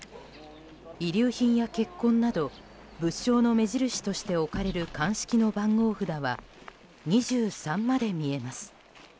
遺留品や血痕など物証の目印として置かれる鑑識の番号札は２３まで見えます。